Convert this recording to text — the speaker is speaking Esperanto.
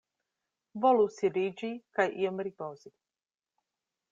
Volu sidiĝi kaj iom ripozi.